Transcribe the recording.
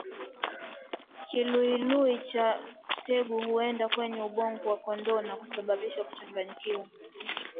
Kiluilui cha tegu huenda kwenye ubongo wa kondoo na kusababisha kuchanganyikiwa